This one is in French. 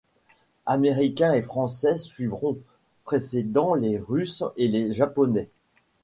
Américains et Français suivront, précédant les Russes et les Japonais.